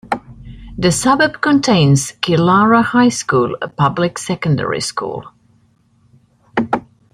The suburb contains Killara High School, a public secondary school.